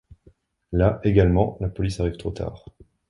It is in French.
Là également, la police arrive trop tard.